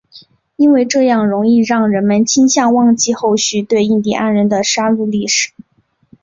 因为这样容易让人们倾向忘记后续对印第安人的杀戮历史。